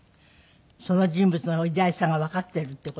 その人物の偉大さがわかっているっていう事ですもんね。